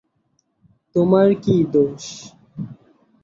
তোমার কি দোষ?